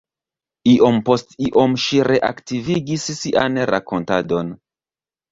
Iom post iom ŝi reaktivigis sian rakontadon: